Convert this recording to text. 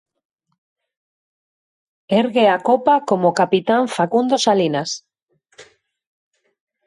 Ergue a copa como capitán Facundo Salinas.